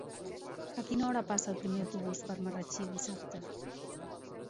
A quina hora passa el primer autobús per Marratxí dissabte?